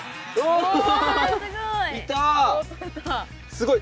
すごい。